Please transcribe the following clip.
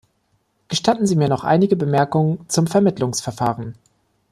Gestatten Sie mir noch einige Bemerkungen zum Vermittlungsverfahren.